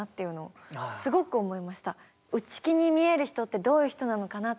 内気に見える人ってどういう人なのかな